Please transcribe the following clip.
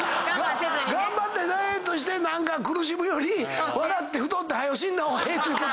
頑張ってダイエットして苦しむより笑って太って早う死んだ方がええということや。